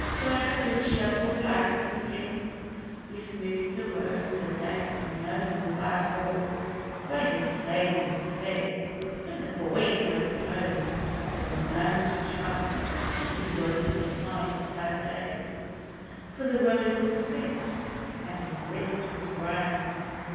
Where, with shovel, axe and pick We smoothed the road so there'd be no more Bad holes where his sleigh would stick. When the boy drove home there were none to chide His woeful plight that day; For the road was fixed and his grist was ground.